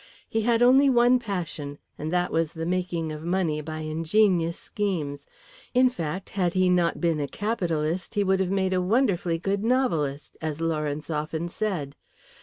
He had only one passion, and that was the making of money by ingenious schemes; in fact, had he not been a capitalist he would have made a wonderfully good novelist, as Lawrence often said.